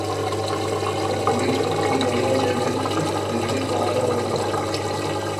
Las cubiertas son invariablemente de teja árabe roja.